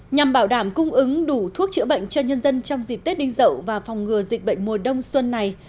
nhằm bảo đảm cung ứng đủ thuốc chữa bệnh cho nhân dân trong dịp tết đinh dậu và phòng ngừa dịch bệnh mùa đông xuân này